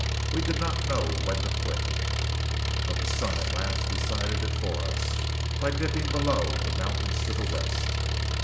We did not know when to quit; but the sun at last decided it for us by dipping below the mountains to the west.